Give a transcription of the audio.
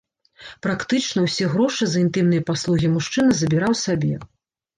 Практычна ўсе грошы за інтымныя паслугі мужчына забіраў сабе.